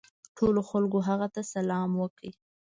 ټولو خلکو هغه ته سلام وکړ.